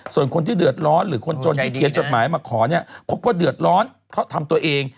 ส่วนคนที่เดือดร้อนหรือคนจนที่เขียนจดหมายมาขอเนี่ยพบว่าเดือดร้อนเพราะทำตัวเอง